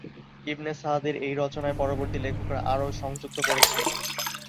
ইবনে Saad এর এই রচনায় পরবর্তী লেখকরা আরো সংযুক্ত করেছে।